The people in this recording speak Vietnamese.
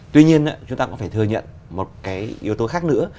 tuy nhiên chúng ta cũng phải thừa nhận một cái yếu tố khác nữa